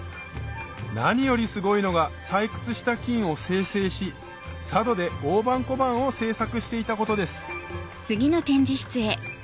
何よりすごいのが採掘した金を精製し佐渡で大判小判を製作していたことです